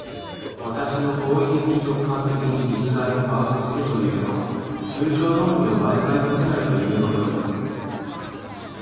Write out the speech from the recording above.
私の行為的直観的に実在を把握するというのは、抽象論理を媒介とせないというのではなく、